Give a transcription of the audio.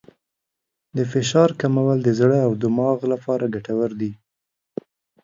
د فشار کمول د زړه او دماغ لپاره ګټور دي.